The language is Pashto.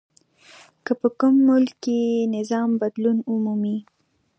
که په کوم ملک کې نظام بدلون ومومي.